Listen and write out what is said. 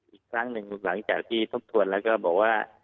อีกครั้งหนึ่งหลังจากที่ทบทวนแล้วก็บอกว่า